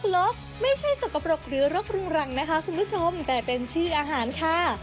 ลกไม่ใช่สกปรกหรือรกรุงรังนะคะคุณผู้ชมแต่เป็นชื่ออาหารค่ะ